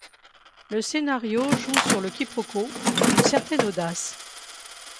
Le scénario joue sur le quiproquo avec une certaine audace.